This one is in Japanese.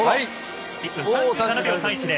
１分３７秒３１０。